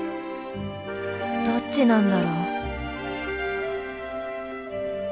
どっちなんだろう？